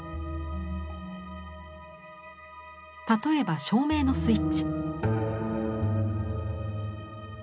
例えば照明のスイッチ。